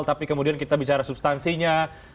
tapi kemudian kita bicara substansinya